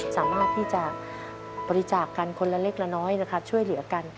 สามารถที่จะบริจาคกันคนละเล็กละน้อยนะครับช่วยเหลือกัน